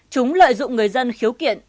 chúng lợi dụng người dân khiếu kiện